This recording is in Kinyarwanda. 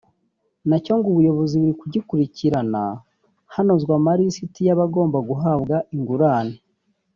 na cyo ngo ubuyobozi buri kugikurikirana hanozwa amarisiti y’abagomba guhabwa ingurane